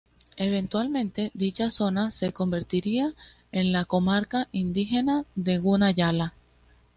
Eventualmente, dicha zona se convertiría en la comarca indígena de Guna Yala.